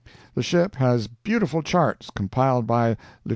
"The ship has beautiful charts, compiled by Lieut.